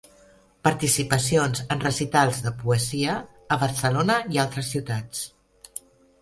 Participacions en recitals de poesia a Barcelona i altres ciutats.